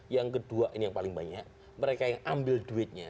yang kedua ini yang paling banyak mereka yang ambil duitnya